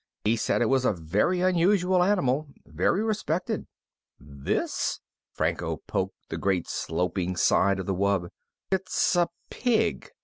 He said it was a very unusual animal. Very respected." "This?" Franco poked the great sloping side of the wub. "It's a pig!